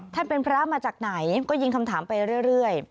เป็นพระมาจากไหนก็ยิงคำถามไปเรื่อย